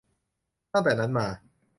ตั้งแต่นั้นมา